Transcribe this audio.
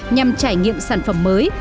nhằm trải nghiệm sản phẩm mới